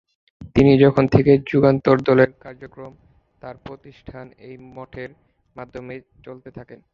তিনি তখন থেকেই যুগান্তর দলের কাজকর্ম তার প্রতিষ্ঠিত এই মঠের মাধ্যমে চালাতে থাকেন।